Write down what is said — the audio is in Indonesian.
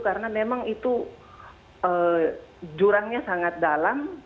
karena memang itu jurangnya sangat dalam